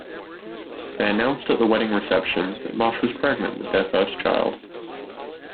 They announced at the wedding reception that Marsh was pregnant with their first child.